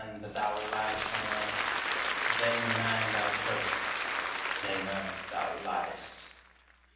that thou rely'st On earth; vain man, thou dot'st; vain earth, thou ly'st.